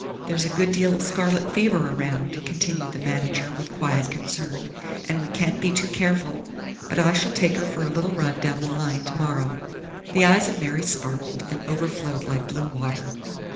"There's a good deal of scarlet fever around," continued the manager with quiet concern, "and we can't be too careful. But I shall take her for a little run down the line tomorrow." The eyes of Mary sparkled and overflowed like blue water.